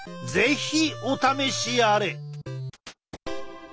是非お試しあれ！